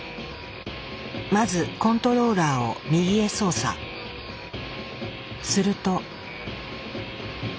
まずコントローラーをすると。